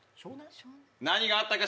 何があったか